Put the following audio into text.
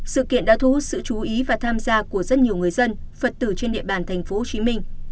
sự kiện đã thu hút sự chú ý và tham gia của rất nhiều người dân phật tử trên địa bàn tp hcm